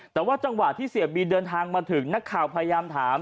แต่ว่าจังหวะที่เสียบีเดินทางมาถึงนักข่าวพยายามถาม